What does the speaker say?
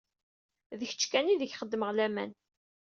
D kečč kan ideg xeddmeɣ laman.